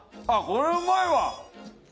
これうまいわ！